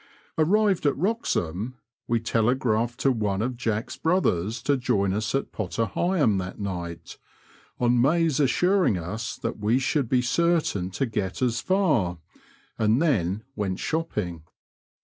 Arrived at Wroxham, we telegraphed to one of Jack's brothers to join us at Potter Heigham that night— on Mayes assuring us that we should be certain to get as far — and then went shopping.